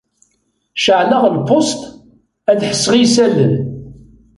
Ceεleɣ lpusṭ ad ḥesseɣ i isallen.